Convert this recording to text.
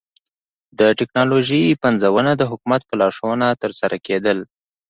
د ټکنالوژۍ پنځونه د حکومت په لارښوونه ترسره کېدل